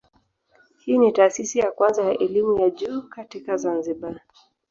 Hii ni taasisi ya kwanza ya elimu ya juu katika Zanzibar.